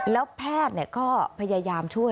แล้วแพทย์ก็พยายามช่วย